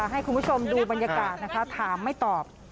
ให้คุณผู้ชมดูบรรยากาศนะคะถามไม่ตอบ